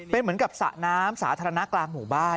เป็นเหมือนกับสระน้ำสาธารณะกลางหมู่บ้าน